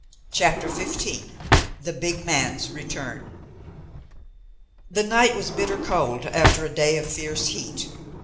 CHAPTER XV THE BIG MAN'S RETURN The night was bitter cold after a day of fierce heat.